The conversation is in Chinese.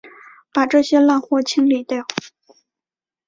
把这烂货清理掉！